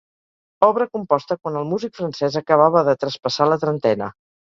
Obra composta quan el músic francès acabava de traspassar la trentena.